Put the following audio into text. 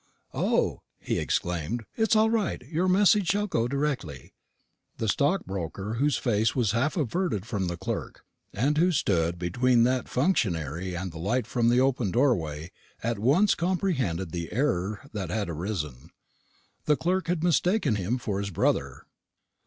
"O," he exclaimed, "it's all right. Your message shall go directly." The stockbroker, whose face was half averted from the clerk, and who stood between that functionary and the light from the open doorway, at once comprehended the error that had arisen. The clerk had mistaken him for his brother.